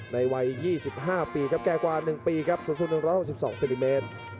วัย๒๕ปีครับแก่กว่า๑ปีครับสูงสุด๑๖๒เซนติเมตร